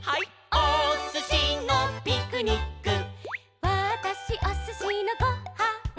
「おすしのピクニック」「わたしおすしのご・は・ん」